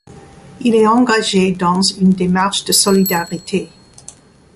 Il est engagé dans une démarche de solidarité.